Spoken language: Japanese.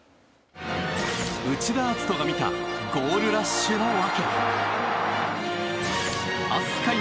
内田篤人が見たゴールラッシュの訳。